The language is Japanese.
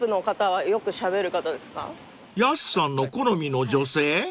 ［やすさんの好みの女性？］